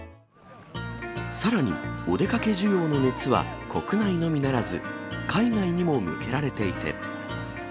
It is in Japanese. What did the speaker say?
さらに、お出かけ需要の熱は国内のみならず、海外にも向けられていて。